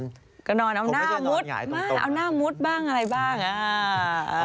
ก็นอนเอาหน้ามุดบ้างอะไรบ้าง